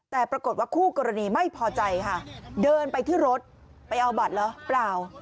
แต่ปรากฏว่าคู่กรณีไม่พอใจค่ะเดินไปที่รถไปเอาบัตรเหรอเปล่า